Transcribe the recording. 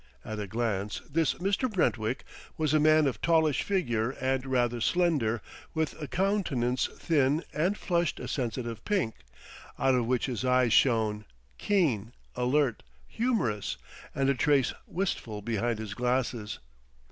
At a glance, this Mr. Brentwick was a man of tallish figure and rather slender; with a countenance thin and flushed a sensitive pink, out of which his eyes shone, keen, alert, humorous, and a trace wistful behind his glasses.